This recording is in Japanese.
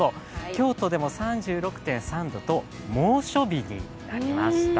京都でも３６．３度猛暑日になりました。